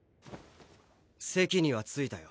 席には着いたよ。